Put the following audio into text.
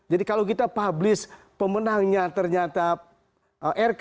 jadi kalau kita publikasi pemenangnya ternyata rk